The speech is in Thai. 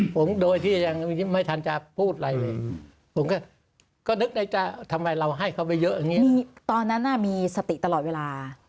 ผมโดยที่ยังไม่ทันจะพูดอะไรเลยผมก็นึกได้จะทำไมเราให้เขาไปเยอะอย่างนี้ตอนนั้นน่ะมีสติตลอดเวลา